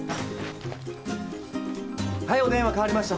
はいお電話代わりました。